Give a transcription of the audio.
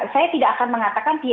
saya tidak akan mengatakan